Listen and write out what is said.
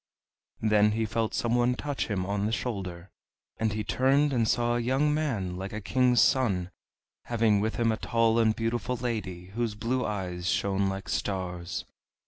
Then he felt some one touch him on the shoulder; and he turned, and saw a young man like a king's son, having with him a tall and beautiful lady, whose blue eyes shone like stars.